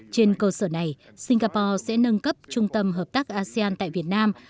trên cơ sở này singapore sẽ nâng cấp trung tâm hợp tác asean tại việt nam